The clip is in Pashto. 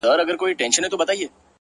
لكه سپوږمۍ چي ترنده ونيسي؛